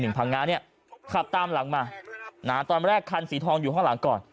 พังงาเนี่ยขับตามหลังมานะฮะตอนแรกคันสีทองอยู่ข้างหลังก่อน